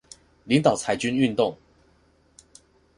領導裁軍運動